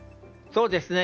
そうですね。